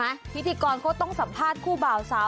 ดูไหมพิธีกรเขาต้องสัมภาษณ์กับคู่เจ้าสาว